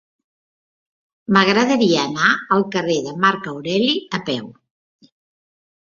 M'agradaria anar al carrer de Marc Aureli a peu.